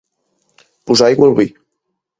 Posar aigua al vi.